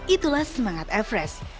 itulah semangat everest